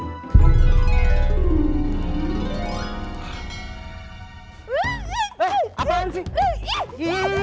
eh apaan sih